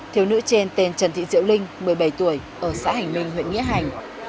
thiếu nữ trên tên trần thị diệu linh một mươi bảy tuổi ở xã hành minh huyện nghĩa hành